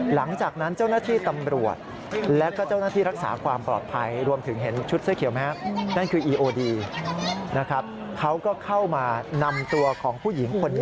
หลังจากนั้นเจ้าหน้าที่ตำรวจและเจ้าหน้าที่รักษาความปลอดภัย